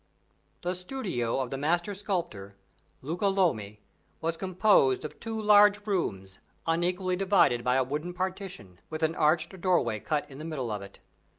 The studio of the master sculptor, Luca Lomi, was composed of two large rooms unequally divided by a wooden partition, with an arched doorway cut in the middle of it.